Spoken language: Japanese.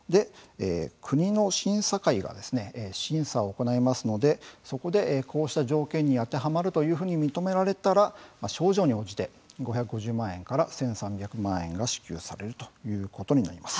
国の審査会が審査を行いますのでそこでこうした条件に当てはまるというふうに認められたら症状に応じて、５５０万円から１３００万円が支給されるということになります。